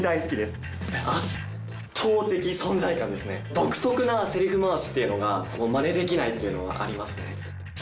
独特なセリフ回しっていうのがマネできないっていうのはありますね。